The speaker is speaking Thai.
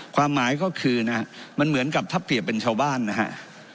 ความหมายก็คือนะฮะมันเหมือนกับถ้าเปรียบเป็นชาวบ้านนะฮะ